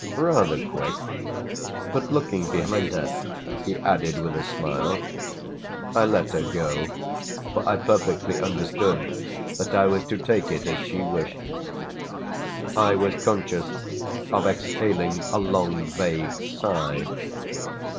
"Rather quick. But looking behind her," he added, with a smile. "I let her go, for I perfectly understood that I was to take it as she wished." I was conscious of exhaling a long, vague sigh.